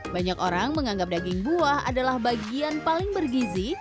banyak orang menganggap daging buah adalah bagian paling bergizi